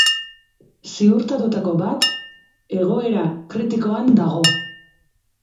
Zauritutako bat egoera kritikoan dago.